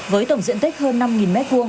với tổng diện tích hơn năm m hai